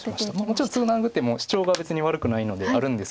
もちろんツナぐ手もシチョウが別に悪くないのであるんですけれども。